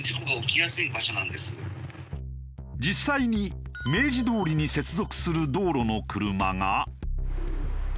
実際に明治通りに接続する道路の車が。